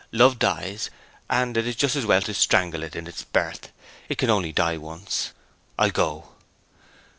Love dies, and it is just as well to strangle it in its birth; it can only die once! I'll go.'